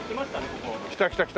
ここ。来た来た来た。